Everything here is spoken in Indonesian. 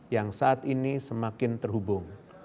yang saat ini semakin terhubung